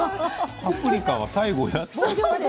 パプリカは最後やって！